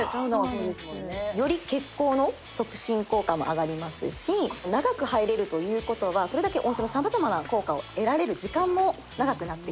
より血行の促進効果も上がりますし長く入れるという事はそれだけ温泉の様々な効果を得られる時間も長くなってきますので。